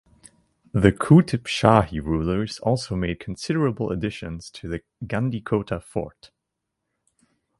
The Qutb Shahi rulers also made considerable additions to the Gandikota Fort.